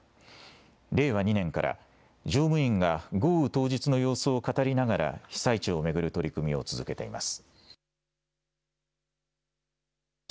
令和２年から乗務員が豪雨当日の様子を語りながら被災地を巡る取り組みを続けています。